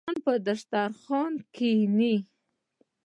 مچان پر دسترخوان کښېني